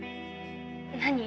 何？